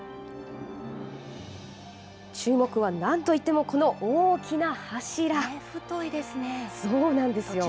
注目はなんといってもこの大きな太いですね。